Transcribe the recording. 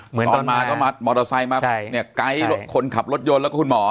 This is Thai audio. ตอนมาก็มามอเตอร์ไซค์มาเนี่ยไกด์คนขับรถยนต์แล้วก็คุณหมอ